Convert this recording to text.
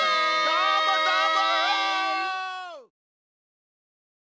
どーもどーも！